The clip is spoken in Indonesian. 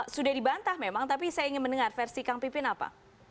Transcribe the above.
sudah dibantah memang tapi saya ingin mendengar versi kang pipin apa